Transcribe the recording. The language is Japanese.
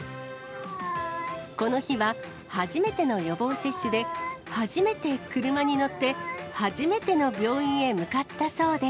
この日は初めての予防接種で、初めて車に乗って、初めての病院へ向かったそうで。